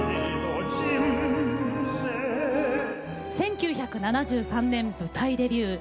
１９７３年、舞台デビュー。